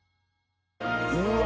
うわ。